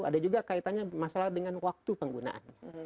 ada juga kaitannya masalah dengan waktu penggunaannya